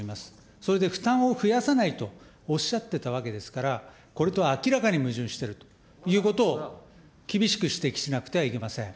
それで負担を増やさないとおっしゃってたわけですから、これとは明らかに矛盾しているということを厳しく指摘しなくてはいけません。